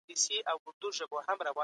د یو بل درناوی د ټولنې اساس دی.